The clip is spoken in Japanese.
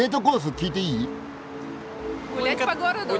聞いていい？